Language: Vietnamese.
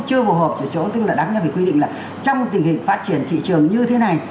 chưa hồ hộp chỗ chỗ tức là đáng nhất phải quy định là trong tình hình phát triển thị trường như thế này